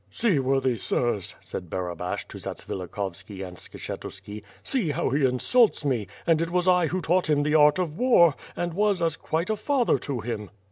"See, worthy Sirs," said Barabash, to Zatsvilikhovski and Skshetuski, "see how he insults me, and it was I who taught him the art of war, and was as quite a father to him."